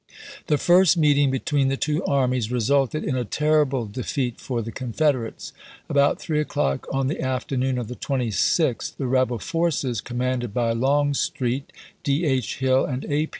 The first meeting between the two armies re suited in a terrible defeat for the Confederates. About three o'clock on the afternoon of the 26th, June, isea. the rebel forces, commanded by Longstreet, D. H. Hill, and A.